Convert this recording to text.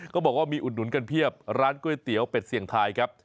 เขาบอกว่ามีอุดหนุนกันเพียบร้านก๋วยเตี๋ยวเป็ดเสี่ยงทายครับ